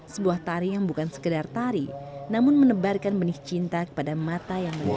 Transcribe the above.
sebuah tari yang bukan sekedar tari namun menebarkan benih cinta kepada mata yang luas